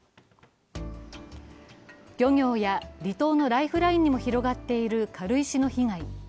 漁業や離島のライフラインにも広がっている軽石の被害。